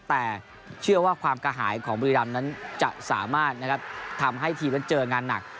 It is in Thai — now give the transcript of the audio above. แต่เชื่อว่าความกระหายของบุรีรำนั้นจะสามารถทำให้ทีมนั้นเจองานหนัก